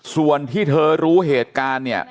ส่วนที่เธอรู้เหตุการณ์เนี่ย